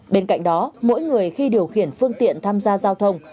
bên cạnh đó mỗi người khi điều khiển phương tiện tham gia giao thông